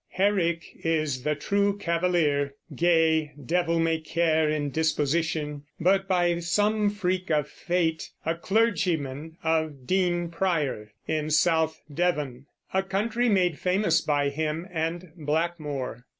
Herrick is the true Cavalier, gay, devil may care in disposition, but by some freak of fate a clergyman of Dean Prior, in South Devon, a county made famous by him and Blackmore.